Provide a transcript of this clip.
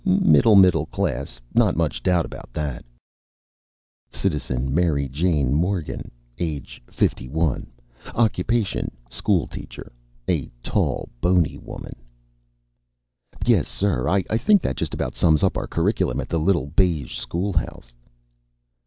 "Middle middle class. Not much doubt about that." (Citizen Maryjane Morgan, age 51, occupation school teacher. A tall, bony woman.) "Yes, sir, I think that just about sums up our curriculum at the Little Beige Schoolhouse."